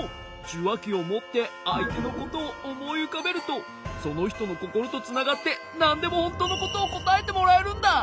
じゅわきをもってあいてのことをおもいうかべるとそのひとのココロとつながってなんでもほんとうのことをこたえてもらえるんだ！